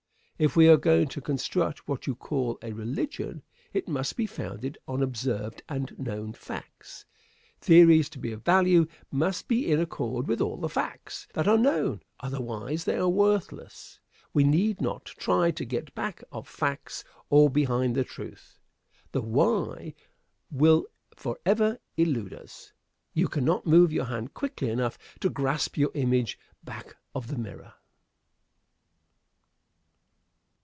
If we are going to construct what you call a "religion," it must be founded on observed and known facts. Theories, to be of value, must be in accord with all the facts that are known; otherwise they are worthless. We need not try to get back of facts or behind the truth. The why will forever elude us. You cannot move your hand quickly enough to grasp your image back of the mirror.